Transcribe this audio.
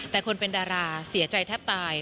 แต่คนเป็นดาราเสียใจแทบตาย